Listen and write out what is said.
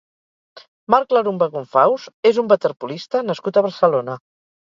Marc Larumbe Gonfaus és un waterpolista nascut a Barcelona.